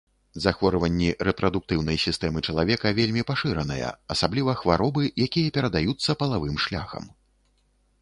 Захворванні рэпрадуктыўнай сістэмы чалавека вельмі пашыраныя, асабліва хваробы, якія перадаюцца палавым шляхам.